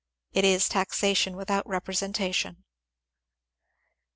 It is taxation without representation.